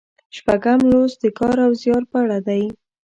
شپږم لوست د کار او زیار په اړه دی.